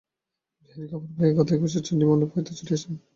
বিহারী খবর পাইয়া গদাই ঘোষের চণ্ডীমণ্ডপ হইতে ছুটিয়া আসিল।